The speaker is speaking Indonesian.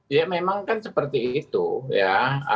ya memang kan seperti itu ya